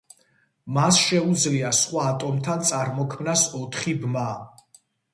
მას შეუძლია სხვა ატომთან წარმოქმნას ოთხი ბმა.